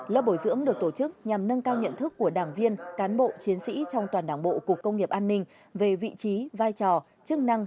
lớp bồi dưỡng được tổ chức nhằm nâng cao nhận thức của đảng viên cán bộ chiến sĩ trong toàn đảng bộ cục công nghiệp an ninh về vị trí vai trò chức năng